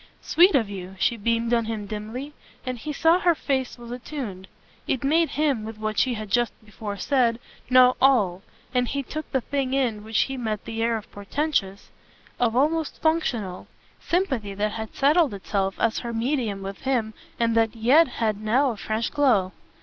"Sweet of you." She beamed on him dimly, and he saw her face was attuned. It made him, with what she had just before said, know all, and he took the thing in while he met the air of portentous, of almost functional, sympathy that had settled itself as her medium with him and that yet had now a fresh glow.